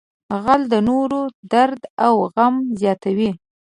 غل د نورو درد او غم زیاتوي